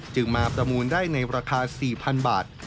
จึงมาประมูลได้ในราคา๔๐๐๐บาท